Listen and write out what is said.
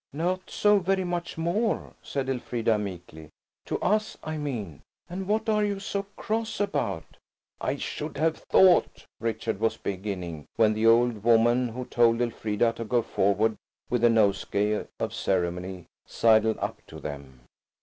"Not so very much more," said Elfrida meekly,–"to us, I mean. And what are you so cross about?" "I should have thought," Richard was beginning, when the old woman who told Elfrida to go forward with the nosegay of ceremony sidled up to them.